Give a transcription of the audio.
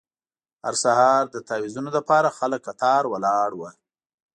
هر سهار د تاویزونو لپاره خلک کتار ولاړ وو.